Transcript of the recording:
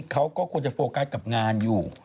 เขาก็ควรจะโฟกัสกับงานอยู่